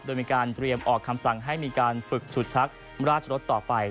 โดยมีการเตรียมออกคำสั่งให้มีการฝึกฉุดชักราชรสต่อไป